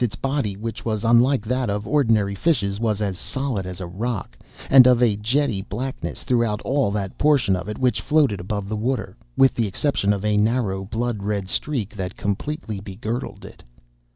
Its body, which was unlike that of ordinary fishes, was as solid as a rock, and of a jetty blackness throughout all that portion of it which floated above the water, with the exception of a narrow blood red streak that completely begirdled it.